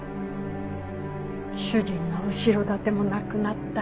主人の後ろ盾もなくなった